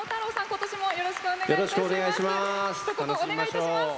今年もよろしくお願いいたします。